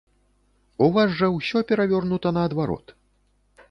У вас жа ўсё перавернута наадварот.